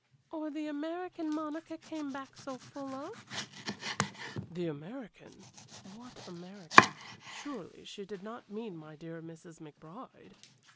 "Or the American Monica came back so full of?" "The American? What American? Surely she did not mean my dear Mrs. McBride?"